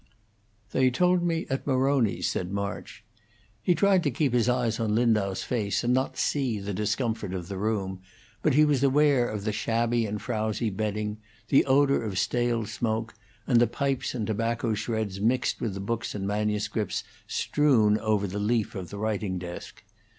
"They told me at Maroni's," said March. He tried to keep his eyes on Lindau's face, and not see the discomfort of the room, but he was aware of the shabby and frowsy bedding, the odor of stale smoke, and the pipes and tobacco shreds mixed with the books and manuscripts strewn over the leaf of the writing desk.